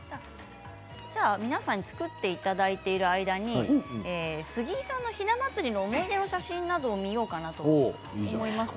皆さんに作っていただいている間に杉井さんのひな祭りの思い出の写真などを見ようかなと思います。